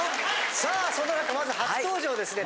さあそんな中まず初登場ですね